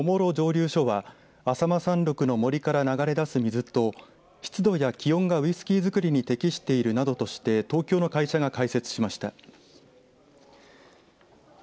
留所は浅間山麓の森から流れ出す水と湿度や気温がウイスキー造りに適しているなどとして東京の会社が開設しました。